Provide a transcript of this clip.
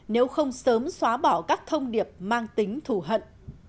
nếu không sớm xóa bỏ các thông điệp mang tính thù hận